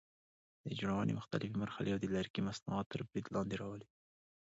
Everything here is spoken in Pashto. د جوړونې مختلفې مرحلې او د لرګي مصنوعات تر برید لاندې راولي.